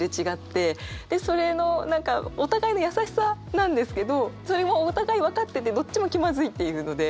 でそれの何かお互いの優しさなんですけどそれもお互い分かっててどっちも気まずいっていうので。